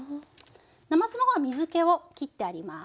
なますの方は水けをきってあります。